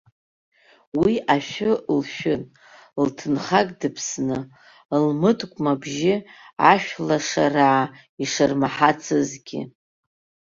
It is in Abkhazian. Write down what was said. Уи ашәы лшәын, лҭынхак дыԥсны, лмыткәма бжьык ашәлашараа ишырмаҳацызгьы.